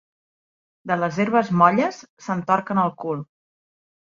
De les herbes molles, se'n torquen el cul.